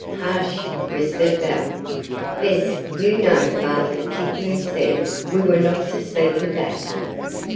"Hush!" whispered Belle. "Bess, you know father particularly said we were not to speak of that."